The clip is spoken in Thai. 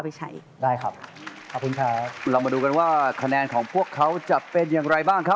มาดูว่าคะแนนของพวกเขาจะเป็นอย่างไรบ้าง